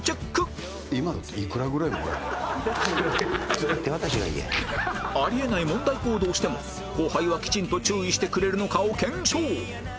次回はあり得ない問題行動をしても後輩はきちんと注意してくれるのかを検証！